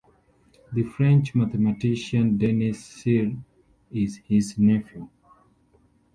The French mathematician Denis Serre is his nephew.